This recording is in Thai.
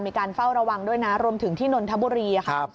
มีการเฝ้าระวังด้วยนะรวมถึงที่นนทบุรีค่ะ